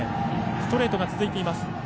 ストレートが続いています。